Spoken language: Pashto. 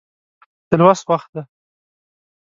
د لوست وخت دی